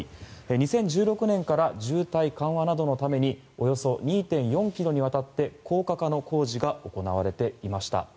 ２０１６年から渋滞緩和などのためにおよそ２．４ｋｍにわたって高架化の工事が行われていました。